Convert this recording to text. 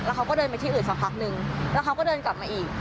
เขาก็เดินไปที่อื่นสักพักนึงแล้วเขาก็เดินกลับมาอีก